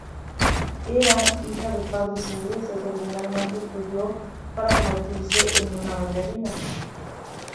Era hija de padres ingleses, originalmente estudió para convertirse en una bailarina.